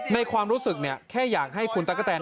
ความรู้สึกแค่อยากให้คุณตั๊กกะแตน